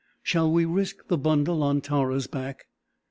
Shall we risk the bundle on Tara's back?"